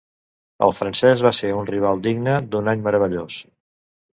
El francès va ser un rival digne d’un any meravellós.